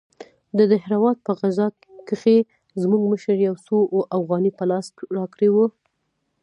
د دهراوت په غزا کښې زموږ مشر يو څو اوغانۍ په لاس راکړې وې.